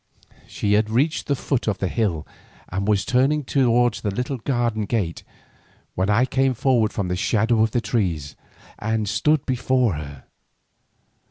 She had reached the foot of the hill and was turning towards the little garden gate, when I came forward from the shadow of the trees, and stood before her.